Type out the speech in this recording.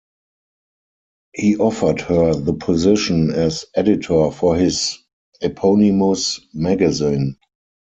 He offered her the position as editor for his eponymous magazine.